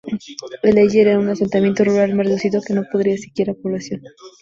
El ager era un asentamiento rural más reducido, que no podría siquiera población.